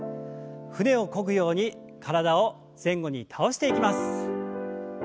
船をこぐように体を前後に倒していきます。